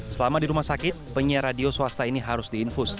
selama di rumah sakit penyiar radio swasta ini harus diinfus